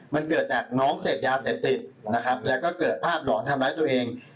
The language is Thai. มันเกิดจากน้องเสพยาเสพติดนะครับแล้วก็เกิดภาพหลอนทำร้ายตัวเอง